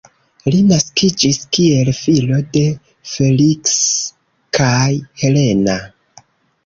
Li naskiĝis kiel filo de Feliks kaj Helena.